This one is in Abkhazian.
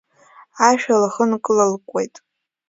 Ашә лхы нкылалкуеит.